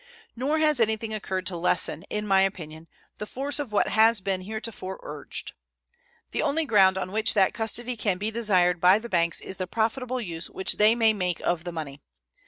Nor has anything occurred to lessen, in my opinion, the force of what has been heretofore urged. The only ground on which that custody can be desired by the banks is the profitable use which they may make of the money.